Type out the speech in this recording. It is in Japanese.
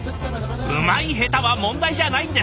うまい下手は問題じゃないんです！